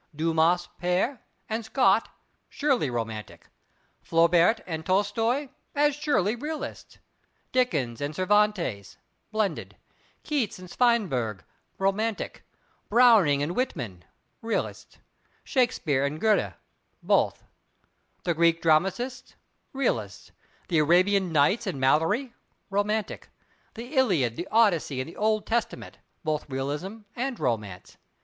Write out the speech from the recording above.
Dumas pere, and Scott, surely romantic; Flaubert and Tolstoy as surely realists; Dickens and Cervantes, blended. Keats and Swinburne romantic; Browning and Whitman—realistic; Shakespeare and Goethe, both. The Greek dramatists—realists. The Arabian Nights and Malory romantic. The Iliad, the Odyssey, and the Old Testament, both realism and romance.